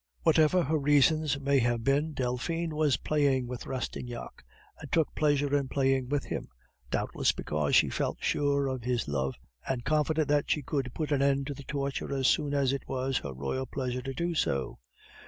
Whatever her reasons may have been, Delphine was playing with Rastignac, and took pleasure in playing with him, doubtless because she felt sure of his love, and confident that she could put an end to the torture as soon as it was her royal pleasure to do so.